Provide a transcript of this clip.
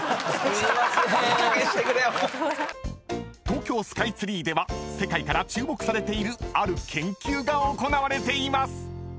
［東京スカイツリーでは世界から注目されているある研究が行われています］